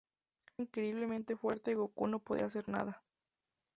Era increíblemente fuerte, y Goku no podía hacer nada.